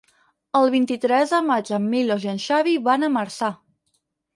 El vint-i-tres de maig en Milos i en Xavi van a Marçà.